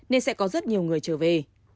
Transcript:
nên sẽ có rất nhiều người trở về